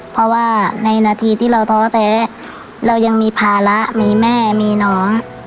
เพราะว่าในนาทีที่เราท้อแท้เรายังมีภาระมีแม่มีน้อง